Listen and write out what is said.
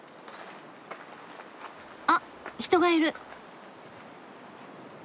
あっ人がいる。